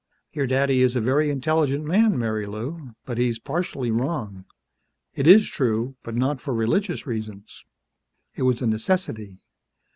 "Your daddy is a very intelligent man, Marilou, but he's partially wrong. It is true but not for religious reasons. It was a necessity.